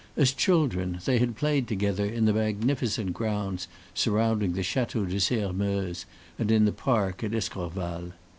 As children, they had played together in the magnificent grounds surrounding the Chateau de Sairmeuse, and in the park at Escorval.